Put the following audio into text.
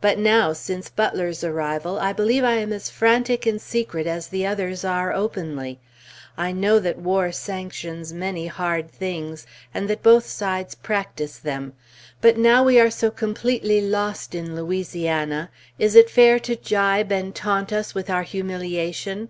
But now, since Butler's arrival, I believe I am as frantic in secret as the others are openly. I know that war sanctions many hard things, and that both sides practice them; but now we are so completely lost in Louisiana, is it fair to gibe and taunt us with our humiliation?